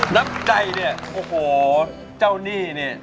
น้ำใจเนี่ยโอ้โหเจ้าหนี้เนี่ย